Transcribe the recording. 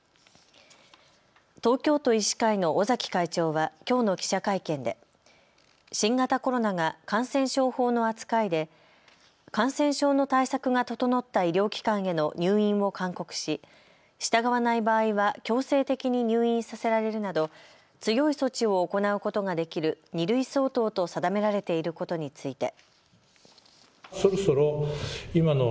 東京都医師会の尾崎会長はきょうの記者会見で新型コロナが感染症法の扱いで感染症の対策が整った医療機関への入院を勧告し従わない場合は強制的に入院させられるなど強い措置を行うことができる二類相当と定められていることについて。